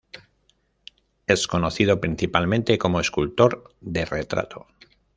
Es conocido principalmente como escultor de retrato.